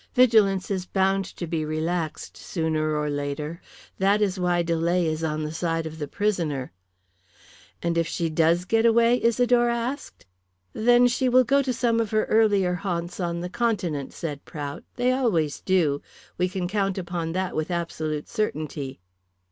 Vigilance is bound to be relaxed sooner or later. That is why delay is on the side of the prisoner." "And if she does get away?" Isidore asked. "Then she will go to some of her earlier haunts on the Continent," said Prout. "They always do. We can count upon that with absolute certainty."